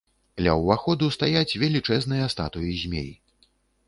Ля ўваходу стаяць велічэзныя статуі змей.